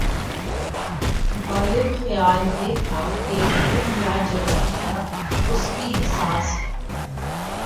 غالب خیال یہ تھا کہ وطن یا جغرافیہ اس کی اساس ہے۔